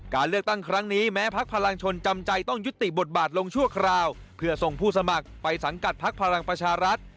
การเลือกตั้งครั้งนี้แม้พักพลังชนจำใจต้องยุติบทบาทลงชั่วคราวเพื่อส่งผู้สมัครไปสังกัดพักพลังประชารัฐ